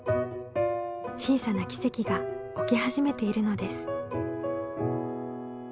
小さな奇跡が起き始めているのです。